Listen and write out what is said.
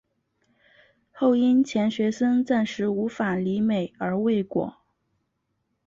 后因钱学森暂时无法离美而未果。